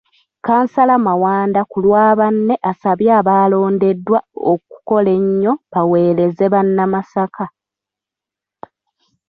Kkansala Mawanda kulwa banne asabye abalondeddwa okukola ennyo baweereze bannamasaka .